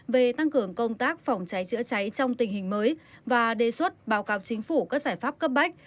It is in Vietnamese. về tăng cường công tác phòng cháy chữa cháy trong tình hình mới và đề xuất báo cáo chính phủ các giải pháp cấp bách